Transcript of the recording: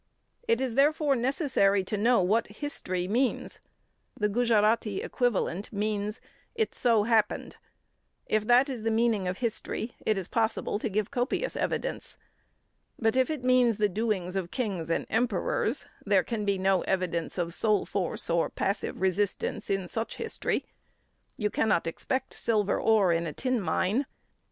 It is, therefore, necessary to know what history means. The Gujarati equivalent means: "It so happened." If that is the meaning of history, it is possible to give copious evidence. But if it means the doings of kings and emperors, there can be no evidence of soul force or passive resistance in such history. You cannot expect silver ore in a tin mine.